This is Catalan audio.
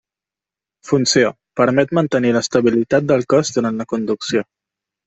Funció: permet mantenir l'estabilitat del cos durant la conducció.